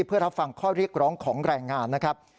เพื่อรับฟังข้อเรียกร้องของแรงงานนะครับ